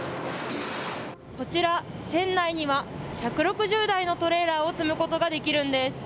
こちら、船内には１６０台のトレーラーを積むことができるんです。